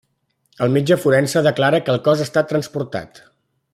El metge forense declara que el cos ha estat transportat.